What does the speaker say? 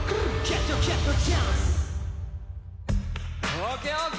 ＯＫ！ＯＫ！